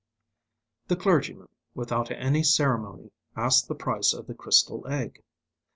The clergyman, without any ceremony, asked the price of the crystal egg.